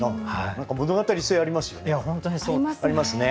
物語性ありますよね。